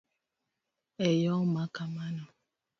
E yo ma kamano